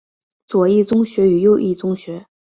左翼宗学与右翼宗学。